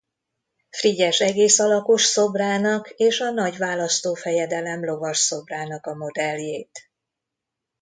Frigyes egész alakos szobrának és a Nagy Választófejedelem lovasszobrának a modelljét.